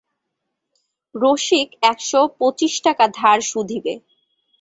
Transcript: রসিক একশো পঁচিশ টাকা ধার শুধিবে!